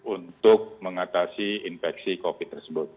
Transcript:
untuk mengatasi infeksi covid sembilan belas tersebut